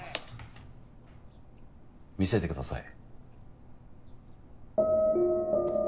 見せてください。